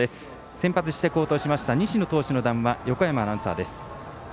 先発して好投しました西野投手の談話横山アナウンサーです。